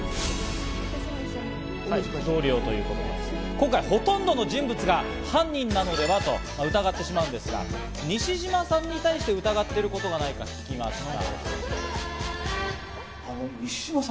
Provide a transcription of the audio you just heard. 今回、ほとんどの人物が犯人なのでは？と疑ってしまうんですが、西島さんに対して疑っていることがないか聞いてみました。